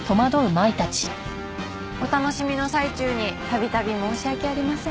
お楽しみの最中に度々申し訳ありません。